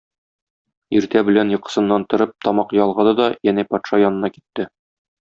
Иртә белән йокысыннан торып, тамак ялгады да янә патша янына китте.